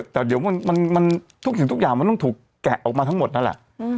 แต่เดี๋ยวทุกสิ่งทุกอย่างมันต้องถูกแกะออกมาทั้งหมดนั่นแหละ